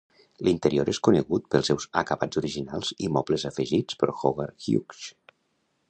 L'interior és conegut pels seus acabats originals i mobles afegits per Howard Hughes.